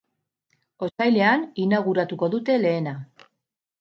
Otsailean inauguratuko dute lehena.